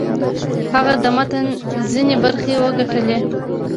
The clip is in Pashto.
هغه د متن ځینې برخې وکتلې.